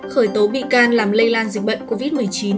khởi tố bị can làm lây lan dịch bệnh covid một mươi chín